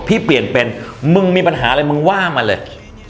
เปลี่ยนเป็นมึงมีปัญหาอะไรมึงว่ามาเลย